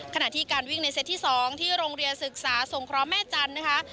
ขณะที่การวิ่งในเซตที่๒ที่โรงเรียนศึกษาสงเคราะห์แม่จันทร์นะคะ